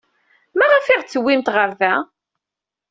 Maɣef ay aɣ-d-tewwimt ɣer da?